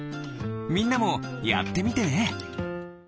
みんなもやってみてね。